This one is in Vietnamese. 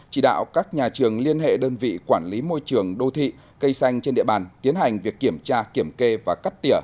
chỉ đạo các nhà trường liên hệ đơn vị quản lý môi trường đô thị cây xanh trên địa bàn tiến hành việc kiểm tra kiểm kê và cắt tỉa